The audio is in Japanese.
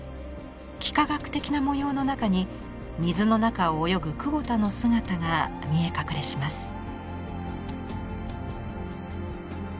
幾何学的な模様の中に水の中を泳ぐ久保田の姿が見え隠れします。